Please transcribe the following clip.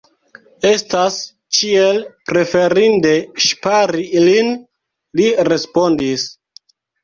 Estas ĉiel preferinde ŝpari ilin, li respondis.